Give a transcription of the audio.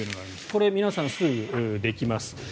これは皆さんすぐできます。